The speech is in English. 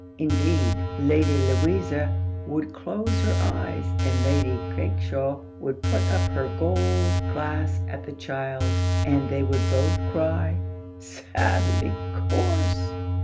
Indeed, Lady Louisa would close her eyes, and Lady Craikshaw would put up her gold glass at the child, and they would both cry, "Sadly coarse!